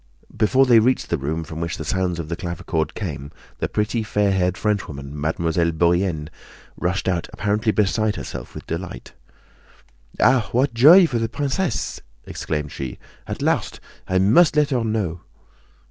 Before they reached the room from which the sounds of the clavichord came, the pretty, fair haired Frenchwoman, Mademoiselle Bourienne, rushed out apparently beside herself with delight. "Ah! what joy for the princess!" exclaimed she: "At last! I must let her know."